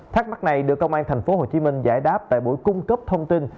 thắc mắc này được công an thành phố hồ chí minh giải đáp tại buổi cung cấp thông tin